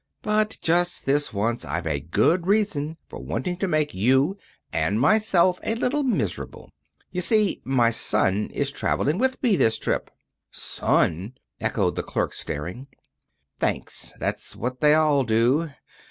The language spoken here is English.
But just this once I've a good reason for wanting to make you and myself a little miserable. Y'see, my son is traveling with me this trip." "Son!" echoed the clerk, staring. "Thanks. That's what they all do.